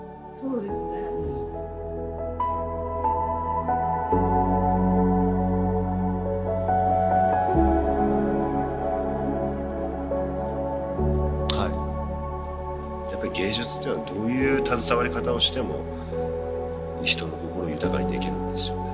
うんはいやっぱり芸術っていうのはどういう携わり方をしても人の心を豊かにできるんですよね